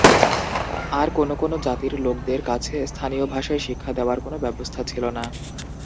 আর কোনো কোনো জাতির লোকেদের কাছে স্থানীয় ভাষায় শিক্ষা দেওয়ার কোনো ব্যবস্থা ছিল না।